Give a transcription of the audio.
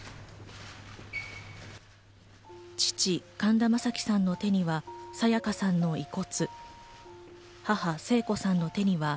父・神田正輝さんの手には沙也加さんの遺骨。